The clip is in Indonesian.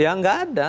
ya enggak ada